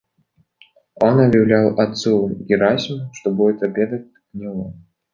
Он объявлял отцу Герасиму, что будет обедать у него.